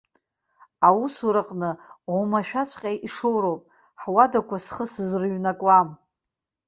Аусураҟны омашәаҵәҟьа ишоуроуп, ҳуадақәа схы сызрҩнакуам.